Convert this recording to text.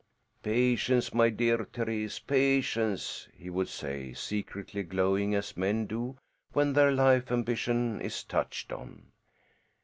"Patience, my dear Thérèse, patience," he would say, secretly glowing as men do when their life ambition is touched on.